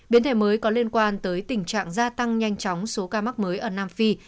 biến thể mới có liên quan tới tình trạng gia tăng nhanh chóng số ca mắc mới ở nam phi